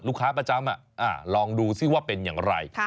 ค้าประจำลองดูซิว่าเป็นอย่างไร